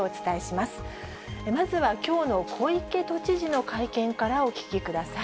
まずはきょうの小池都知事の会見からお聞きください。